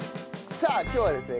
さあ今日はですね